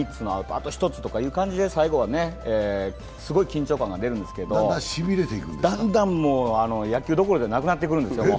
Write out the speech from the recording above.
あと１つということで最後は、すごい緊張感が出るんですけど、だんだん野球どころじゃなくなってくるんですよ。